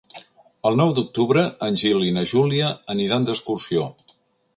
El nou d'octubre en Gil i na Júlia aniran d'excursió.